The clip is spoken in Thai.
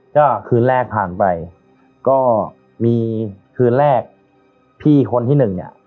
ก็คืนแรกผ่านไปก็มีคืนแรกพี่คนที่หนึ่งเนี่ย